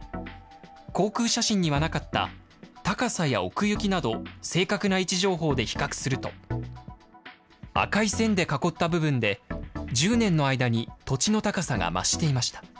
航空写真にはなかった、高さや奥行きなど、正確な位置情報で比較すると、赤い線で囲った部分で、１０年の間に土地の高さが増していました。